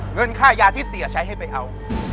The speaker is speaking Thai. เงินค่ายาที่เสียใช้ให้ไปเอา